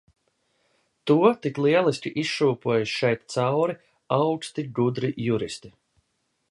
To tik lieliski izšūpoja šeit cauri augsti, gudri juristi.